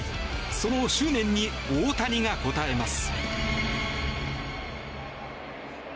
その執念に大谷が応えます。